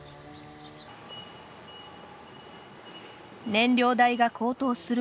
燃料代が高騰する